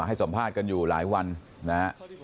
ให้สัมภาษณ์กันอยู่หลายวันนะฮะ